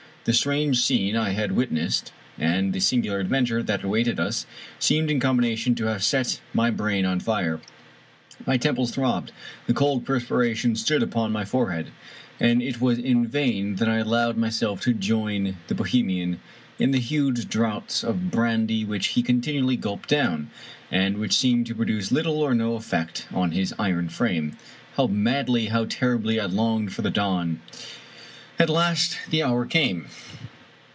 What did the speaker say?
The strange scene I had witnessed, and the singular adventure that awaited us, seemed in combination to have set my brain on fire. My temples throbbed ; the cold perspiration stood upon my forehead, and it was in vain that I allowed my self to join the Bohemian in the huge draughts of brandy which he continually gulped down, and which seemed to produce little or no effect on his iron frame. How madly, how terribly, I longed for the dawn! At last the hour came.